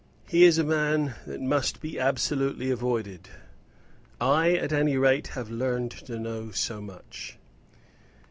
He is a man that must be absolutely avoided; I, at any rate, have learned to know so much."